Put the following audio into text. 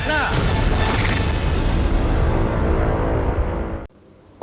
ไม่ควร